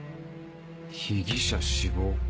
「被疑者死亡」。